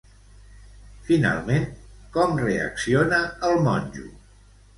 Finalment, com reacciona el monjo?